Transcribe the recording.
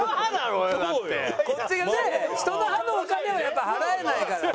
こっちがね人の歯のお金はやっぱ払えないから。